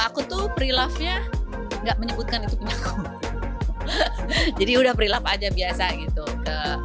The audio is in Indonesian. aku tuh pre love nya enggak menyebutkan itu punya kamu jadi udah pre love aja biasa gitu ke